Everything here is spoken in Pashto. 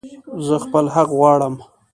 زه خپل حق غواړم